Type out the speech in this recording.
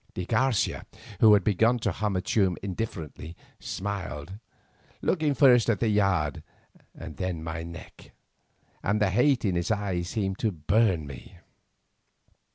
De Garcia, who had begun to hum a tune indifferently, smiled, looking first at the yard and then at my neck, and the hate in his eyes seemed to burn me.